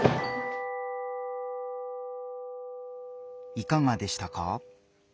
いかがでしたか？